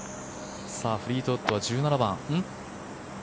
フリートウッドは１７番。